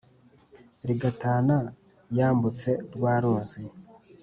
Rigatana yambutse rwa ruzi